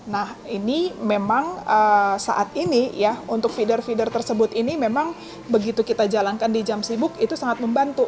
nah ini memang saat ini ya untuk feeder feeder tersebut ini memang begitu kita jalankan di jam sibuk itu sangat membantu